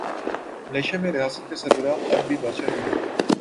Malaysia میں ریاست کا سربراہ اب بھی بادشاہ ہی ہے۔